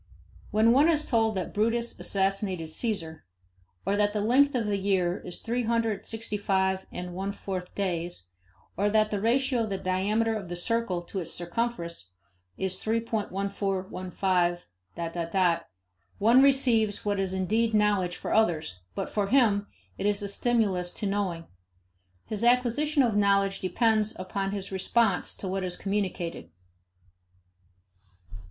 When one is told that Brutus assassinated Caesar, or that the length of the year is three hundred sixty five and one fourth days, or that the ratio of the diameter of the circle to its circumference is 3.1415. .. one receives what is indeed knowledge for others, but for him it is a stimulus to knowing. His acquisition of knowledge depends upon his response to what is communicated.